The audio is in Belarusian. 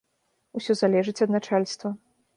Усё залежыць ад начальства.